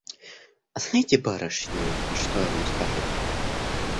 А знаете, барышни, что я вам скажу?